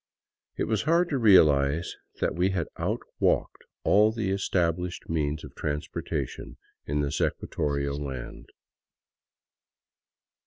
It was hard to realize that we had outwalked all the established means of transporta tion in this equatorial land.